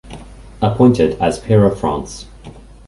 Appointed as Peer of France.